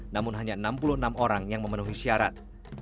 namun hanya enam puluh enam orang yang memenuhi syarat